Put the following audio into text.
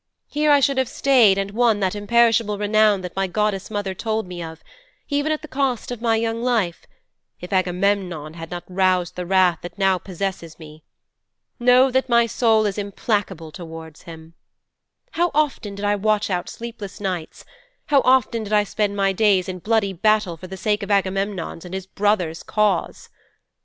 Here I should have stayed and won that imperishable renown that my goddess mother told me of, even at the cost of my young life if Agamemnon had not aroused the wrath that now possesses me. Know that my soul is implacable towards him. How often did I watch out sleepless nights, how often did I spend my days in bloody battle for the sake of Agamemnon's and his brother's cause!